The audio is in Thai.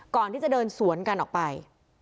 ก่อนที่จะเดินสวนกันออกไป